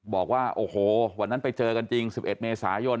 บอกว่าโอ้โหวันนั้นไปเจอกันจริง๑๑เมษายน